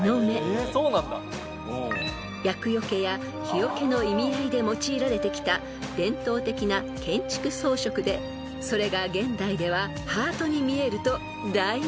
［厄除けや火よけの意味合いで用いられてきた伝統的な建築装飾でそれが現代ではハートに見えると大人気］